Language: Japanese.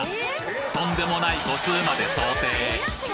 とんでもない個数まで想定！